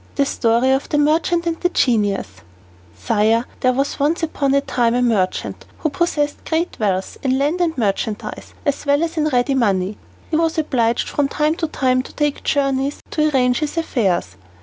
The Story of the Merchant and the Genius Sire, there was once upon a time a merchant who possessed great wealth, in land and merchandise, as well as in ready money. He was obliged from time to time to take journeys to arrange his affairs.